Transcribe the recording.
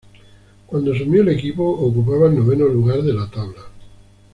Cuando asumió, el equipo ocupaba el noveno lugar de la tabla.